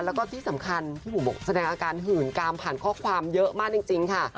แล้วก็ที่สำคัญพี่บุ๋มบอกแสดงอาการหื่นกามผ่านข้อความเยอะมากจริงค่ะ